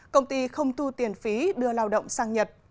công ty không thu tiền phí đưa lao động sang nhật